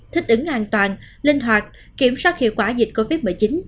thích ứng an toàn linh hoạt kiểm soát hiệu quả dịch covid một mươi chín